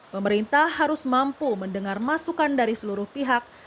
pemerintah harus mampu mendengar masukan dari seluruh pihak